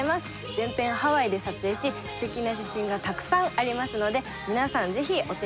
全編ハワイで撮影しすてきな写真がたくさんありますので皆さんぜひお手に取ってみてください。